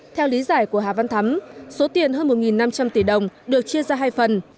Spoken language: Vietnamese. theo lý giải của hà văn thắm số tiền hơn một năm trăm linh tỷ đồng được chia ra hai phần